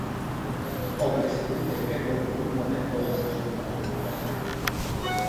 O presidente grego nun momento da sesión parlamentaria.